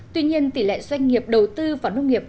tuy nhiên tỷ lệ doanh nghiệp đầu tư vào nông nghiệp